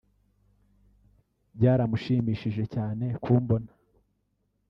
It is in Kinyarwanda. Byaramushimishije cyane kumbona